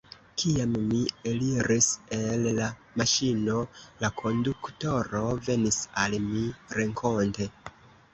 Kiam mi eliris el la maŝino, la konduktoro venis al mi renkonte.